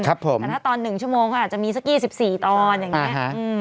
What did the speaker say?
แต่ถ้าตอน๑ชั่วโมงเขาอาจจะมีสัก๒๔ตอนอย่างนี้